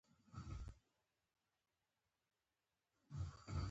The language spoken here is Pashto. انار د افغانستان د کلتوري میراث یوه ډېره مهمه برخه ده.